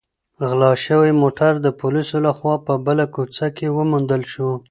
غلا شوی موټر د پولیسو لخوا په بله کوڅه کې وموندل شو.